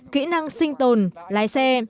kỹ năng sinh tồn lái xe